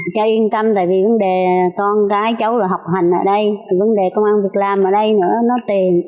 cho yên tâm tại vì vấn đề con gái cháu là học hành ở đây vấn đề công an việc làm ở đây nữa nó tiền